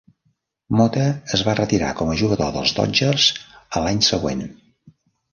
Mota es va retirar com a jugador dels Dodgers a l'any següent.